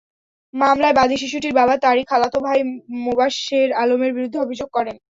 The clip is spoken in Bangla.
মামলার বাদী শিশুটির বাবা তাঁরই খালাতো ভাই মোবাশ্বের আলমের বিরুদ্ধে অভিযোগ করেন।